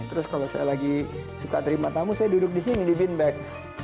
terus kalau saya lagi suka terima tamu saya duduk disini di bin bag